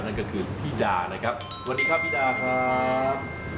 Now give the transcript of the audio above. นั่นก็คือพี่ดานะครับสวัสดีครับพี่ดาครับ